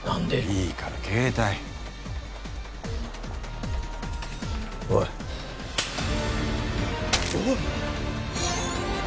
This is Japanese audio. いいから携帯おいおい！